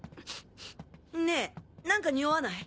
ねぇ何かにおわない？